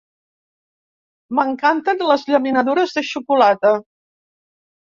M'encanten les llaminadures de xocolata.